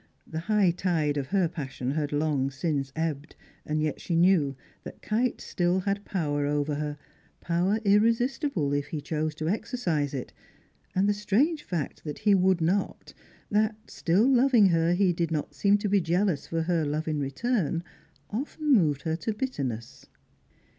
The high tide of her passion had long since ebbed; yet she knew that Kite still had power over her, power irresistible, if he chose to exercise it, and the strange fact that he would not, that, still loving her, he did not seem to be jealous for her love in return, often moved her to bitterness.